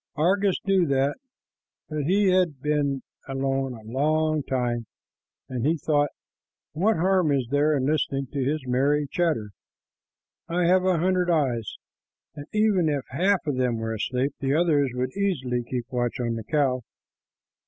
Argus knew that, but he had been alone a long time, and he thought, "What harm is there in listening to his merry chatter? I have a hundred eyes, and even if half of them were asleep, the others could easily keep watch of one cow."